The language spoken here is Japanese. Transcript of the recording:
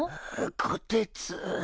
こてつ。